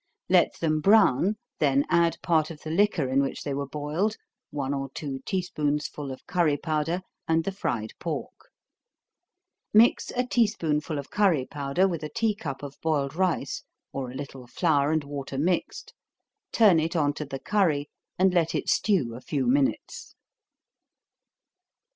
Let them brown, then add part of the liquor in which they were boiled, one or two tea spoonsful of curry powder, and the fried pork. Mix a tea spoonful of curry powder with a tea cup of boiled rice, or a little flour and water mixed turn it on to the curry, and let it stew a few minutes.